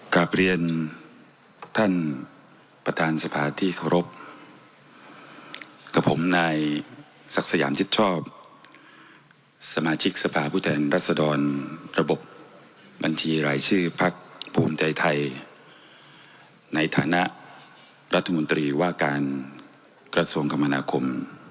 กลับเรียนท่านประธานสภาที่เคารพกับผมนายศักดิ์สยามชิดชอบสมาชิกสภาผู้แทนรัศดรระบบบบัญชีรายชื่อพักภูมิใจไทยในฐานะรัฐมนตรีว่าการกระทรวงคมนาคม